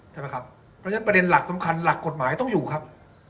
ใช่ไหมครับเพราะฉะนั้นประเด็นหลักสำคัญหลักกฎหมายต้องอยู่ครับ